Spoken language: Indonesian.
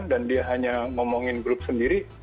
dia hanya ngomongin grup sendiri